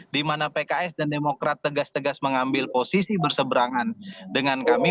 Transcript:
dimana pks dan demokrat tegas tegas mengambil posisi berseberangan dengan kami